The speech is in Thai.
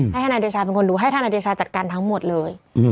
ทนายเดชาเป็นคนดูให้ทนายเดชาจัดการทั้งหมดเลย